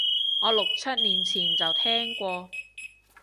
我六七年前就聽過